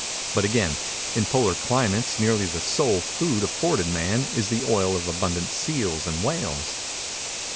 But again:—in polar climates nearly the sole food afforded man is the oil of abundant seals and whales.